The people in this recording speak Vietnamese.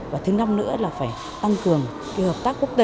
và thứ năm nữa là phải tăng cường hợp tác quốc tế